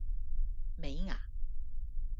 尾禡